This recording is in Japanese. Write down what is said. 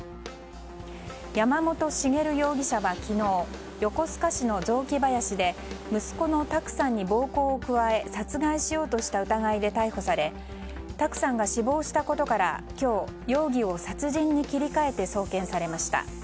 山本茂容疑者は昨日横須賀市の雑木林で息子の卓さんに暴行を加え殺害しようとした疑いで逮捕され卓さんが死亡したことから今日、容疑を殺人に切り替えて送検されました。